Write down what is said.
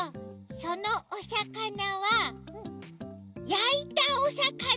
そのおさかなはやいたおさかなですか？